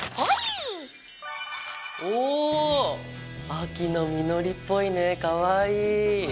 秋の実りっぽいねかわいい！